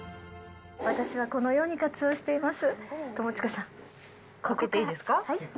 私はこのように活用しています。